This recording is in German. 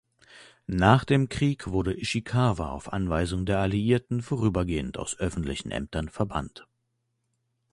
Nach dem Krieg wurde Ishikawa auf Anweisung der Alliierten vorübergehend aus öffentlichen Ämtern verbannt.